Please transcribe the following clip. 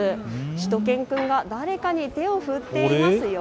しゅと犬くんが誰かに手を振っていますよ。